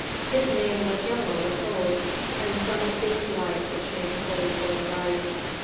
His mane was yellow with gold, and from it beamed light which made the whole world bright.